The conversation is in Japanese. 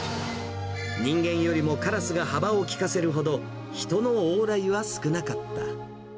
人間よりもカラスが幅を利かせるほど、人の往来は少なかった。